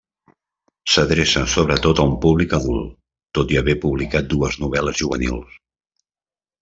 S'adreça sobretot a un públic adult, tot i haver publicat dues novel·les juvenils.